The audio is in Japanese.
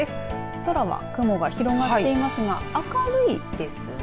空は雲が広がっていますが明るいですね。